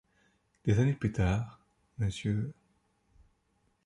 Des années plus tard, Mr.